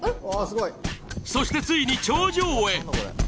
そしてついに頂上へ。